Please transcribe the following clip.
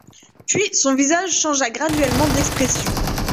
Puis son visage changea graduellement d'expression.